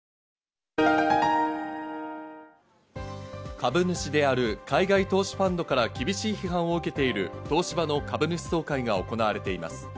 株主である海外投資ファンドから厳しい批判を受けている東芝の株主総会が行われています。